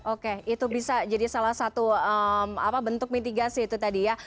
oke itu bisa jadi salah satu bentuk mitigasi itu tadi ya